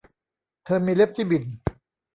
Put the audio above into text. เธอมีเล็บที่บิ่น